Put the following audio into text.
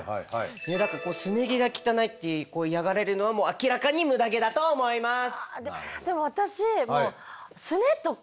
だからすね毛が汚いって嫌がられるのは明らかにムダ毛だと思います！